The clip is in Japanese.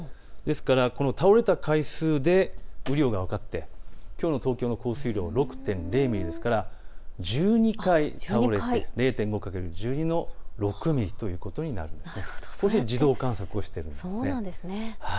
ですから倒れた回数で雨量が分かってきょうの降水量、東京の降水量は６．０ミリですから、１２回倒れて０．５×１２の６ミリということになります。